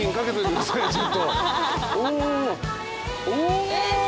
お！